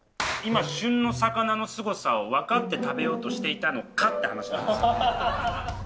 今、旬の魚のすごさを分かって食べようとしていたのかって話なんです。